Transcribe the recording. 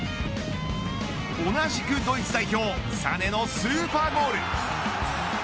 同じくドイツ代表サネのスーパーゴール。